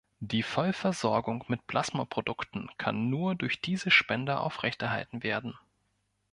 Die Vollversorgung mit Plasmaprodukten kann nur durch diese Spender aufrechterhalten werden.